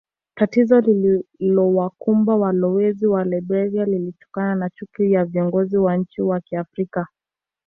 Tatizo lililowakumba walowezi wa Liberia lilitokana na chuki ya viongozi wa nchi za Kiafrika